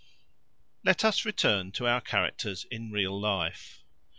Let us return to our characters in real life.